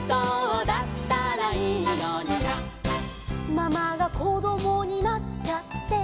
「ママがこどもになっちゃって」